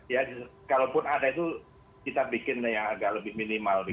ya kalaupun ada itu kita bikin yang agak lebih minimal